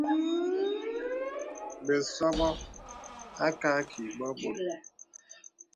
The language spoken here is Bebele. Bəsɔbɔ̄ à kààkì bɔ̄ bòt.